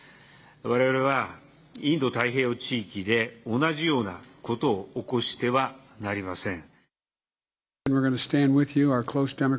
われわれはインド太平洋地域で同じようなことを起こしてはなりません。